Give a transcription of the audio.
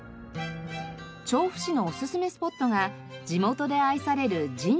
調布市のおすすめスポットが地元で愛される深大寺。